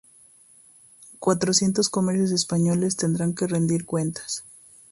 Cuatrocientos comercios españoles tendrán que rendir cuentas